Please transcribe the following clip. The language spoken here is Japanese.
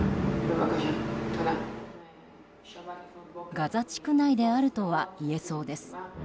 ガザ地区内であるとはいえそうです。